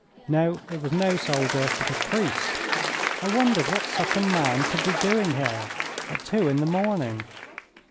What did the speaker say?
No; it was no soldier, but a priest. I wondered what such a man could be doing there at two in the morning.